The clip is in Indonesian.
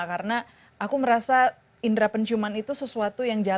karena aku merasa indera penciuman itu sesuatu yang jarang diperlukan